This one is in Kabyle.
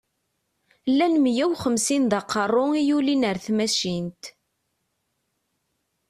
Llan miyya u xemsin d aqeṛṛu i yulin ar tmacint.